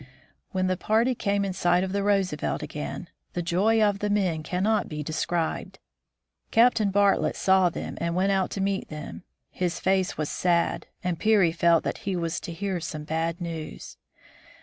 When the party came in sight of the Roosevelt again, the joy of the men cannot be described. Captain Bartlett saw them and went out to meet them. His face was sad, and Peary felt that he was to hear some bad news.